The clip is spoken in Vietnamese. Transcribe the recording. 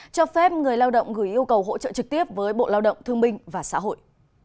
cho phép người lao động gửi yêu cầu hỗ trợ trực tiếp với bộ lao động thương minh và xã hội